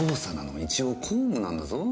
一応公務なんだぞ？